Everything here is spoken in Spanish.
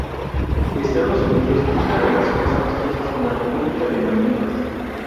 Estados Unidos tiene relaciones amistosas con la República de Maldivas.